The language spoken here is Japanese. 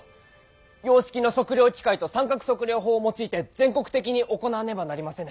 洋式の測量器械と三角測量法を用いて全国的に行わねばなりませぬ。